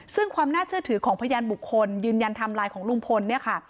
ซึ่งความน่าเชื่อถือของพยานบุคคลยืนยันไทม์ไลน์ของลุงพลเนี่ยค่ะ